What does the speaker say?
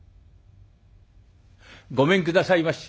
「ごめんくださいまし。